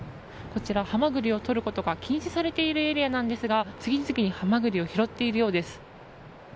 こちら、ハマグリをとることが禁止されているエリアなんですが次々にハマグリを拾っているようです。